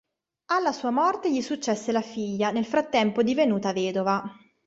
Alla sua morte gli successe la figlia, nel frattempo divenuta vedova.